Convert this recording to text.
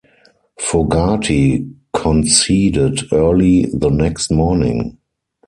Fogarty conceded early the next morning.